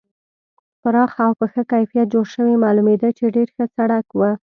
پراخ او په ښه کیفیت جوړ شوی معلومېده چې ډېر ښه سړک و.